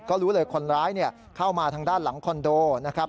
ก็รู้เลยคนร้ายเข้ามาทางด้านหลังคอนโดนะครับ